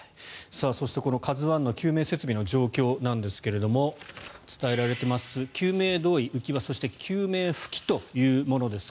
そしてこの「ＫＡＺＵ１」の救命設備の状況なんですが伝えられています救命胴衣、浮輪救命浮器というものです。